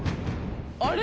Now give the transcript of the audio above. あれ？